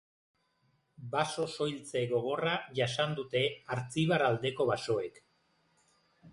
Baso-soiltze gogorra jasan dute Artzibar aldeko basoek.